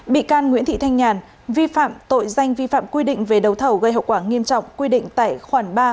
bị can nguyễn thị thanh nhàn vi phạm tội danh vi phạm quy định về đấu thầu gây hậu quả nghiêm trọng quy định tại khoản ba